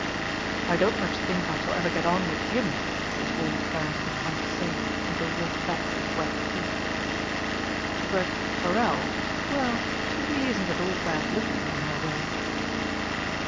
"I don't much think I shall ever get on with him," was all Clarence could find to say, as they walked back with wet feet. "But Forelle well, she really isn't at all bad looking in her way."